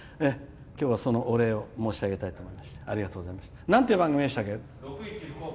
きょうは、そのお礼を申し上げたいと思います。